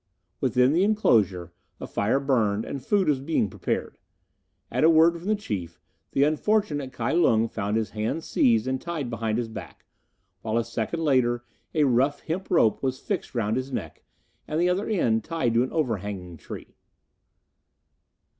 Within the enclosure a fire burned, and food was being prepared. At a word from the chief, the unfortunate Kai Lung found his hands seized and tied behind his back, while a second later a rough hemp rope was fixed round his neck, and the other end tied to an overhanging tree.